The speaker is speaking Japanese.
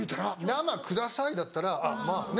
「生下さい」だったらまぁね